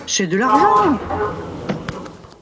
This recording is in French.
c’est de l’argent !